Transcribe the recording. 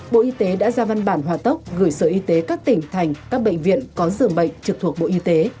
bộ y tế đã ra văn bản hòa tốc gửi sở y tế các tỉnh thành các bệnh viện có dường bệnh trực thuộc bộ y tế